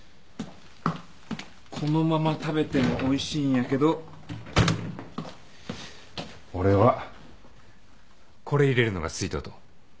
このまま食べてもおいしいんやけど俺はこれ入れるのが好いとうと。